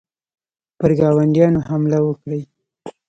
پر ګاونډیانو حمله وکړي.